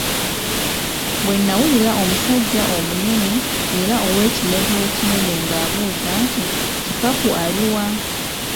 Bwe nawulira omusajja omunene era ow'ekirevu ekinene ng'abuuza nti, Kipaku ali wa?